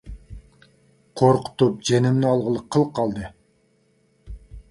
قورقۇتۇپ جېنىمنى ئالغىلى قىل قالدى!